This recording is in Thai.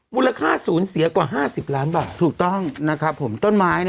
มูลค่าศูนย์เสียกว่า๕๐ล้านบาทถูกต้องนะครับผมต้นไม้